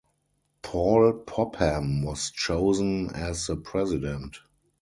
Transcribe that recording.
Paul Popham was chosen as the president.